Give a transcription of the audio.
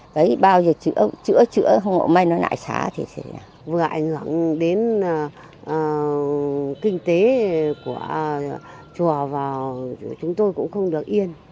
đấy bao giờ chữa chữa chữa không ngộ may nó lại xá thì sẽ vừa ảnh hưởng đến kinh tế của chùa và chúng tôi cũng không được yên